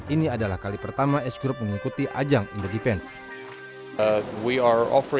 ini adalah kali pertama s group mengikuti ajang indo defense